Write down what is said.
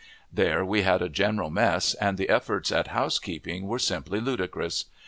There we had a general mess, and the efforts at house keeping were simply ludicrous.